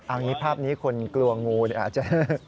อันนี้ภาพนี้คนกลัวงูเนี่ยอาจจะ